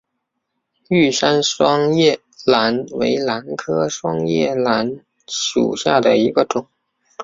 玉山双叶兰为兰科双叶兰属下的一个种。